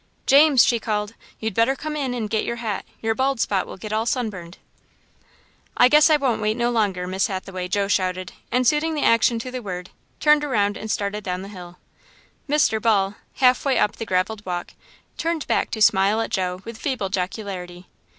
"James," she called, "you'd better come in and get your hat. Your bald spot will get all sunburned." "I guess I won't wait no longer, Miss Hathaway," Joe shouted, and, suiting the action to the word, turned around and started down hill. Mr. Ball, half way up the gravelled walk, turned back to smile at Joe with feeble jocularity.